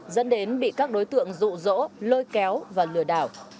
dẫn đến bị các đối tượng rụ rỗ lôi kéo và lừa đảo